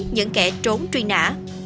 những kẻ trốn truy nã